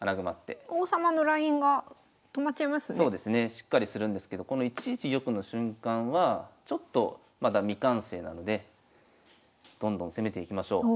しっかりするんですけどこの１一玉の瞬間はちょっとまだ未完成なのでどんどん攻めていきましょう。